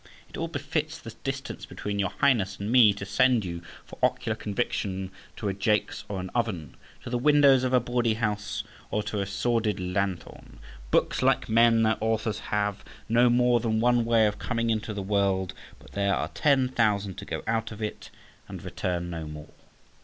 It ill befits the distance between your Highness and me to send you for ocular conviction to a jakes or an oven, to the windows of a bawdyhouse, or to a sordid lanthorn. Books, like men their authors, have no more than one way of coming into the world, but there are ten thousand to go out of it and return no more.